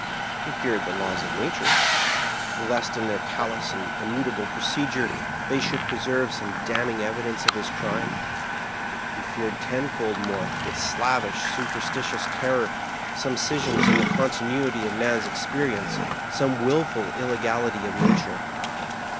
He feared the laws of nature, lest, in their callous and immutable procedure, they should preserve some damning evidence of his crime. He feared tenfold more, with a slavish, superstitious ter ror, some scission in the continuity of man's experience, some willful illegality of nature.